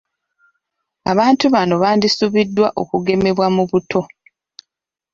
Abantu bano bandisubiddwa okugemebwa mu buto.